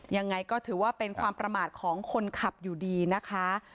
ยังไงก็ถือว่าเป็นความประมาทของคนขับอยู่ดีนะคะ